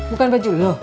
bukan baju lu